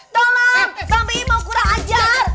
tolong bang pi mau kurang ajar